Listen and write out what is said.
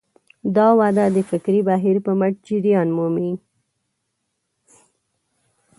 دا وده د فکري بهیر په مټ جریان مومي.